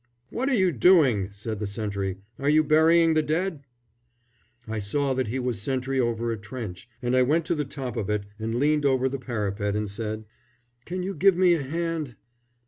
"What are you doing?" said the sentry. "Are you burying the dead?" I saw that he was sentry over a trench, and I went to the top of it and leaned over the parapet and said, "Can you give me a hand?"